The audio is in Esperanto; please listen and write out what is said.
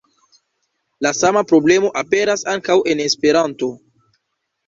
La sama problemo aperas ankaŭ en Esperanto.